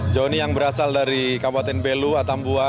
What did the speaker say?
johnny yang berasal dari kabupaten belu atambua